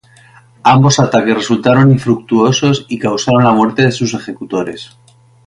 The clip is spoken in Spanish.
Ambos ataques resultaron infructuosos y causaron la muerte de sus ejecutores.